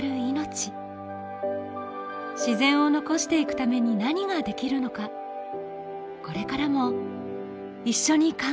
自然を残していくために何ができるのかこれからも一緒に考えていきましょう